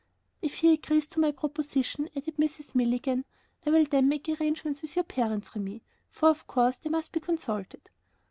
"If he agrees to my proposition," added Mrs. Milligan, "I will then make arrangements with your parents, Remi, for of course they must be consulted."